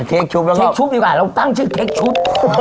เค้กชุบเราเค้กชุบดีกว่าเราตั้งชื่อเค้กชุบ